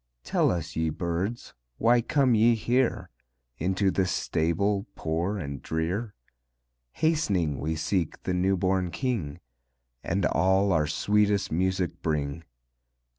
"Tell us, ye birds, why come ye here. Into this stable, poor and drear?" "Hast'ning we seek the new born King, And all our sweetest music bring."